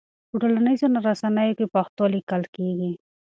په ټولنيزو رسنيو کې پښتو ليکل کيږي.